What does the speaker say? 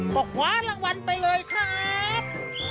ก็คว้ารางวัลไปเลยครับ